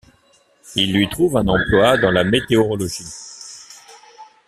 Il lui trouve un emploi dans la météorologie.